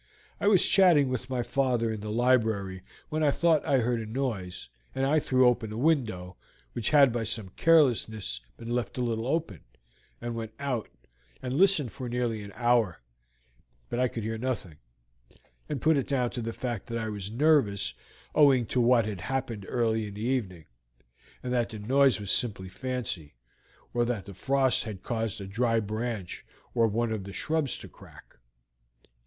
"I was chatting with my father in the library when I thought I heard a noise, and I threw open the window, which had by some carelessness been left a little open, and went out, and listened for nearly an hour, but I could hear nothing, and put it down to the fact that I was nervous owing to what had happened early in the evening, and that the noise was simply fancy, or that the frost had caused a dry branch of one of the shrubs to crack."